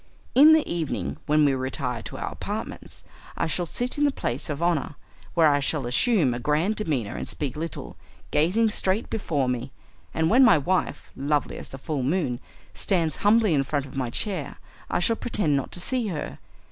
In the evening, when we retire to our apartments, I shall sit in the place of honour, where I shall assume a grand demeanour and speak little, gazing straight before me, and when my wife, lovely as the full moon, stands humbly in front of my chair I shall pretend not to see her.